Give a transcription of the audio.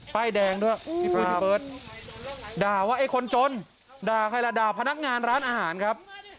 ป้ายแดงด้วยด่าว่าไอ้คนจนด่าใครล่ะด่าพนักงานร้านอาหารครับ